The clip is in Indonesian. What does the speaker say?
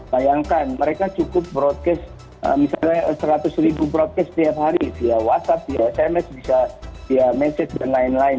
bayangkan mereka cukup broadcast misalnya seratus ribu broadcast setiap hari via whatsapp via sms bisa via message dan lain lain